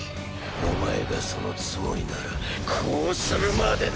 お前がそのつもりならこうするまでだ！